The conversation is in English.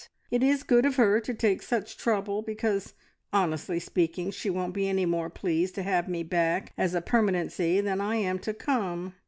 It is good of her to take such trouble, because, honestly speaking, she won't be any more pleased to have me back as a permanency than I am to come.